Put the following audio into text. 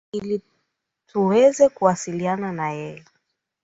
ili tuweze kuwasiliana na yeye